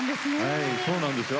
はいそうなんですよ。